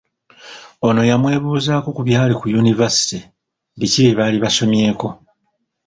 Ono yamwebuuzaako ku byali ku yunivasite, biki bye baali basomyeko.